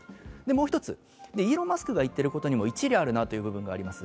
もう一つ、イーロン・マスクが言っていることにも一理あるなという部分があります。